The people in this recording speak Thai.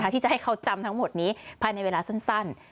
ที่จะให้เขาจำทั้งหมดนี้ภายในเวลาสั้น